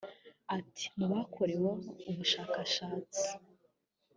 Ati” Mu bakoreweho ubushakashatsi